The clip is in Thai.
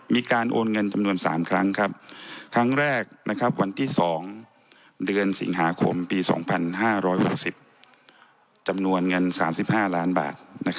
มีการโอนเงินจำนวน๓ครั้งครั้งแรกวันที่๒เดือนสิงหาคมปี๒๕๖๐จำนวนเงิน๓๕ล้านบาท